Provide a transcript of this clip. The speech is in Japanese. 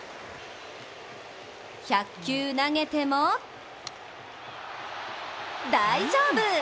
１００球投げても大丈夫！